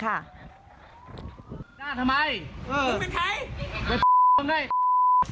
การเจรจาเป็นขั้นตอนแรกของการเจ้าหน้าที่